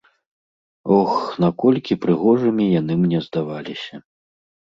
Ох, наколькі прыгожымі яны мне здаваліся.